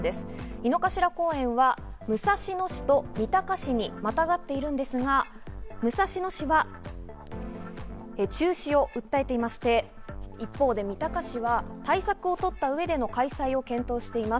井の頭公園は武蔵野市と三鷹市にまたがっているんですが、武蔵野市は中止を訴えていまして、一方で三鷹市は対策を取った上での開催を検討しています。